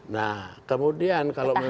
nah kemudian kalau memang